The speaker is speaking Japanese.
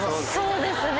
そうですね。